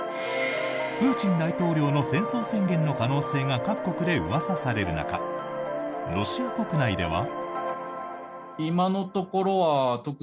プーチン大統領の戦争宣言の可能性が各国でうわさされる中ロシア国内では？